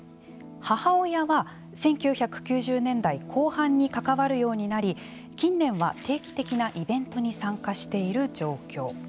母親は１９９０年代後半に関わるようになり近年は定期的なイベントに参加している状況。